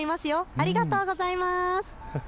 ありがとうございます。